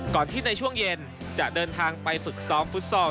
ที่ในช่วงเย็นจะเดินทางไปฝึกซ้อมฟุตซอล